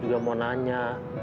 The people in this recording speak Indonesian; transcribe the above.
juga mau nanya